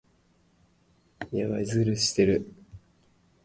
長野県下條村